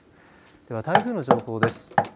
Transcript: では、台風の情報です。